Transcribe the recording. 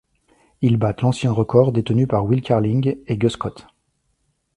Ils battent l'ancien record détenu par Will Carling et Guscott.